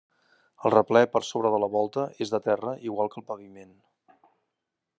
El replè per sobre de la volta és de terra igual que el paviment.